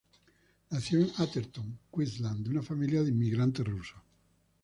Nació en Atherton, Queensland, de una familia de inmigrantes rusos.